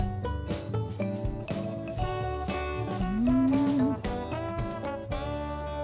うん。